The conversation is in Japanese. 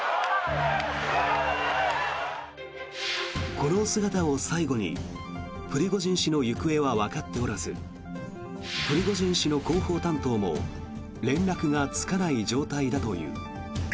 この姿を最後にプリゴジン氏の行方はわかっておらずプリゴジン氏の広報担当も連絡がつかない状態だという。